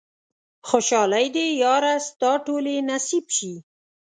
خوشحالۍ دې ياره ستا ټولې نصيب شي